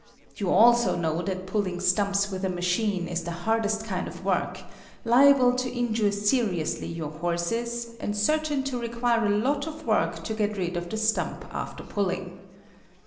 You also know that pulling stumps with a machine is the hardest kind of work liable to injure seriously your horses, and certain to require a lot of work to get rid of the stump after pulling.